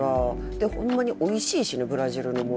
ほんまにおいしいしねブラジルのものとか。